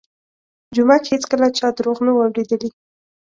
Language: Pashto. جومک هېڅکله چا درواغ نه وو اورېدلي.